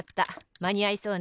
まにあいそうね。